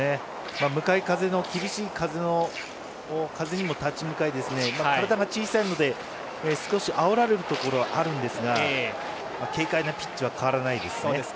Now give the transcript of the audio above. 向かい風の厳しい風にも立ち向かい体が小さいので少しあおられるところはあるんですが軽快なピッチは変わらないですね。